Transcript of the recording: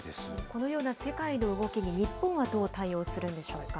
このような世界の動きに、日本はどう対応するんでしょうか。